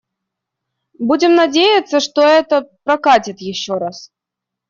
Будем надеяться, что это «прокатит» ещё раз.